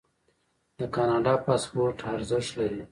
د کاناډا پاسپورت ارزښت لري.